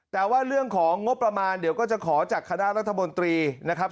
แต่ว่าเรื่องของงบประมาณเดี๋ยวก็จะขอจากคณะรัฐมนตรีนะครับ